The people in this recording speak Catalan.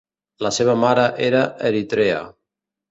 La seva mare era eritrea.